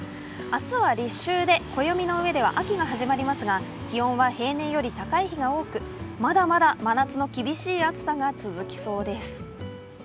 明日は立秋で暦の上では秋が始まりますが気温は平年より高い日が多くまだまだ真夏の厳しい暑さが続きそうです。